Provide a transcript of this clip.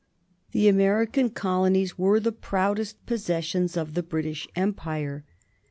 The American colonies were the proudest possessions of the British Empire.